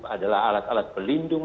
adalah alat alat pelindung